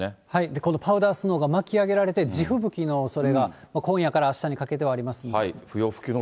このパウダースノーが巻き上げられて、地吹雪のおそれが今夜からあしたにかけてはありますので。